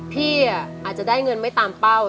พี่อาจจะได้เงินไม่ตามเป้า